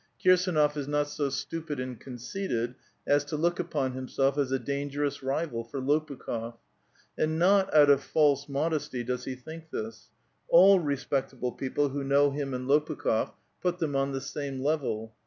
Kirsduof is not so stupid nod conceited as to look Xapon himself as a dangerous rival for Lopukh6f . And not ut of false modesty does he think this ; all respectable people ho know him and Lopukh6f put them on the same level.